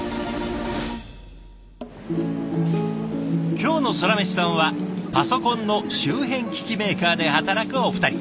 今日のソラメシさんはパソコンの周辺機器メーカーで働くお二人。